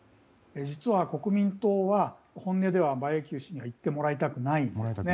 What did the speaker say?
国民党は本音では馬英九氏には行ってもらいたくないんですね。